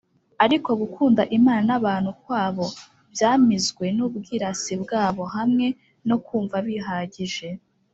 ariko gukunda imana n’abantu kwabo, byamizwe n’ubwirasi bwabo hamwe no kumva bihagije